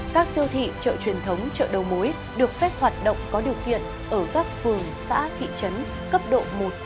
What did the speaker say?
các siêu thị chợ truyền thống chợ đầu mối được phép hoạt động có điều kiện ở các phường xã thị trấn cấp độ một